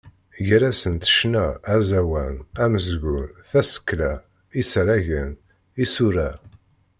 Gar-asent ccna, aẓawan, amezgun, tasekla, isaragen, isura.